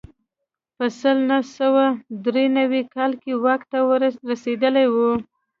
په سل نه سوه درې نوي کال کې واک ته رسېدلی و.